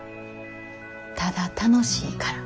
「ただ楽しいから」。